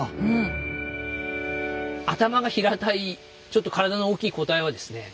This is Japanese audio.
頭が平たいちょっと体の大きい個体はですね